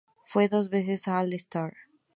Fue dos veces All Star.